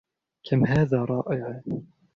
كم هذا رائع!.